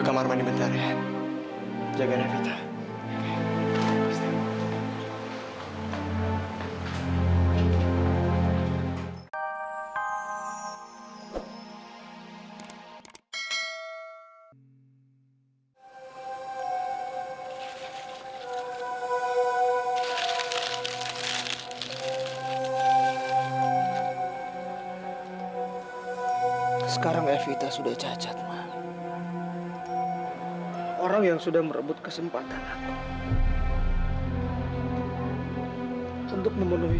sampai jumpa di video selanjutnya